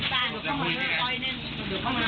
อ๋อแต่เช้งห้าหมู่แล้วตั้งแหละ